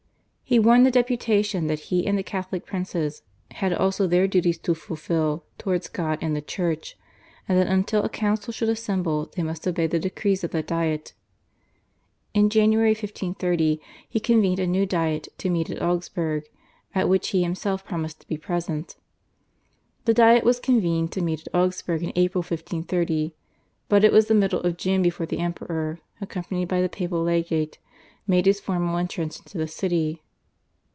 He warned the deputation that he and the Catholic princes had also their duties to fulfil towards God and the Church, and that until a Council should assemble they must obey the decrees of the Diet. In January 1530 he convened a new Diet to meet at Augsburg at which he himself promised to be present. The Diet was convened to meet at Augsburg in April 1530, but it was the middle of June before the Emperor, accompanied by the papal legate, made his formal entrance into the city.